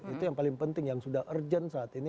itu yang paling penting yang sudah urgent saat ini